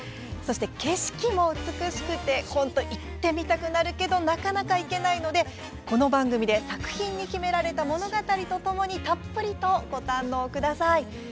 景色も美しくて行ってみたくなるんですけれどもなかなか行けないのでこの番組で作品に秘められた物語とともにたっぷりとご堪能ください。